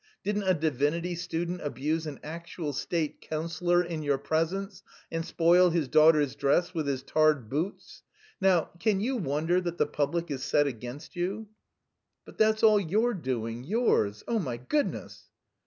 Didn't a divinity student abuse an actual state councillor in your presence and spoil his daughter's dress with his tarred boots? Now, can you wonder that the public is set against you?" "But that's all your doing, yours! Oh, my goodness!"